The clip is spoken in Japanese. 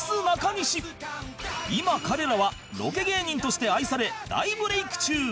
今彼らはロケ芸人として愛され大ブレイク中